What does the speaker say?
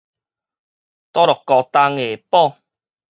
哆囉嘓東下堡